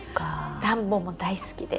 「ダンボ」も大好きです。